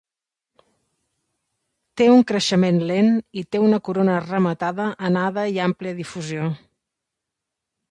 Té un creixement lent i té una corona rematada anada i àmplia difusió.